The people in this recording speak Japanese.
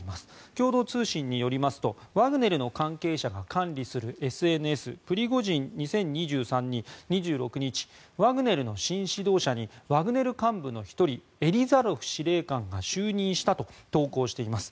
共同通信によりますとワグネルの関係者が管理するＳＮＳプリゴジン２０２３に２６日、ワグネルの新指導者にワグネル幹部の１人エリザロフ司令官が就任したと投稿しています。